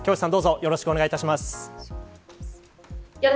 よろしくお願いします。